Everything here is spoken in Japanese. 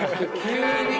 急に！